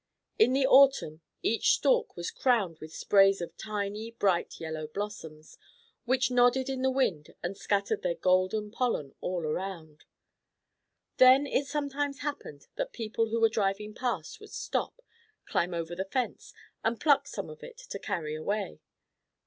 In the autumn, each stalk was crowned with sprays of tiny bright yellow blossoms, which nodded in the wind and scattered their golden pollen all around. Then it sometimes happened that people who were driving past would stop, climb over the fence, and pluck some of it to carry away.